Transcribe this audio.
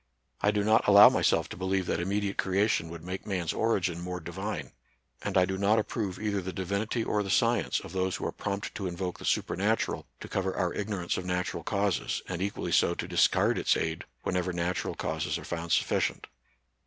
I do not allow myself to believe that immediate creation would make man's origin more divine. And I do not approve either the divinity or the science, of those who are prompt to invoke the super natural to cover our ignorance of natural causes, and equally so to discard its aid whenever natu ral causes are found sufficient.